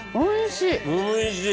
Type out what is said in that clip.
おいしい！